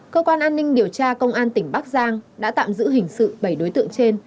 cơ quan an ninh điều tra công an tỉnh bắc giang đã tạm giữ hình sự bảy đối tượng trên